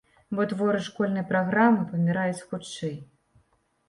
Бо творы школьнай праграмы паміраюць хутчэй.